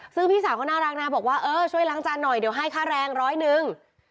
ซึ่งพี่สาวเขาน่ารักนะบอกว่าเออช่วยล้างจานหน่อยเดี๋ยวให้ค่าแรงร้อยหนึ่ง